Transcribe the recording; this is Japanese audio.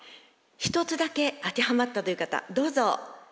１つだけ当てはまったという方どうぞ。